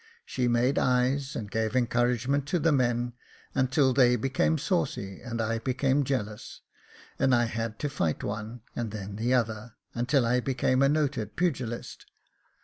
She made eyes and gave encouragement to the men, until they became saucy, and I became jealous, and I had to fight one, and then the other, until I became a noted pugilist.